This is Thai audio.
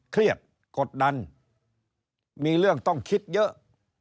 เครียดกดดันมีเรื่องต้องคิดเยอะ